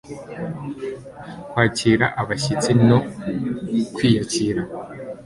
kwakira abashyitsi no kwiyakira